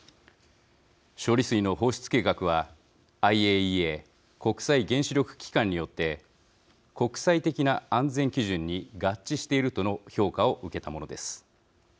処理水の放出計画はＩＡＥＡ＝国際原子力機関によって国際的な安全基準に合致しているとの評価を受けたものです。